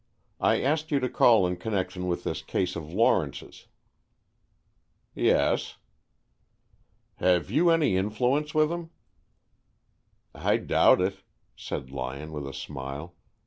I asked you to call in connection with this case of Lawrence's." "Yes." "Have you any influence with him?" "I doubt it," said Lyon, with a smile.